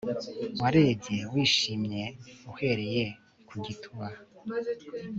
Warebye wishimye uhereye ku gituba